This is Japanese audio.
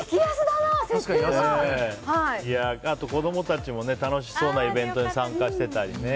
あと、子供たちも楽しそうなイベントに参加してたりね。